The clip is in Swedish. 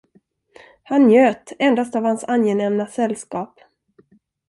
Han njöt endast av hans angenäma sällskap.